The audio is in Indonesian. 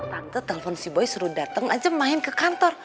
tante telpon si boy suruh datang aja main ke kantor